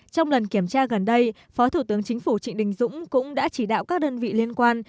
trong lần kiểm tra gần đây phó thủ tướng chính phủ trịnh đình dũng cũng đã chỉ đạo các đơn vị liên quan